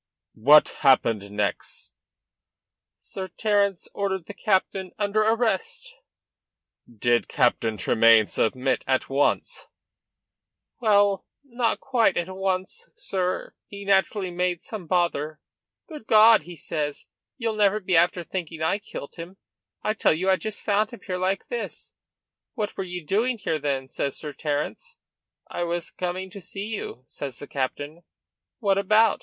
"What happened next?" "Sir Terence ordered the captain under arrest." "Did Captain Tremayne submit at once?" "Well, not quite at once, sir. He naturally made some bother. 'Good God!' he says, 'ye'll never be after thinking I kilt him? I tell you I just found him here like this.' 'What were ye doing here, then?' says Sir Terence. 'I was coming to see you,' says the captain. 'What about?